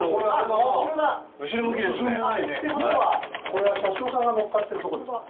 これは車掌さんが乗っかってるとこですか？